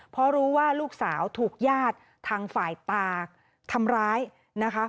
เพราะรู้ว่าลูกสาวถูกญาติทางฝ่ายตาทำร้ายนะคะ